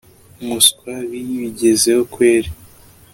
umuswa bi bigezaho kweli